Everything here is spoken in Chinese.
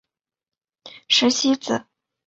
石皋子。